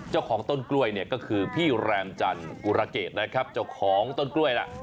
เจ้าของต้นกล้วยเนี่ยก็คือพี่แรมจันทร์กุรเกตนะครับเจ้าของต้นกล้วยล่ะ